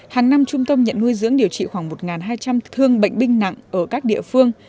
hàng năm trung tâm nhận nuôi dưỡng điều trị khoảng một hai trăm linh thương bệnh binh nặng ở các địa phương